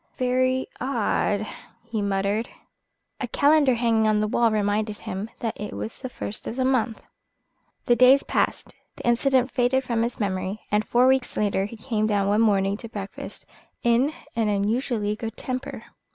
"Very odd!" he muttered. A calendar hanging on the wall reminded him that it was the first of the month. The days passed, the incident faded from his memory, and four weeks later he came down one morning to breakfast in an unusually good temper.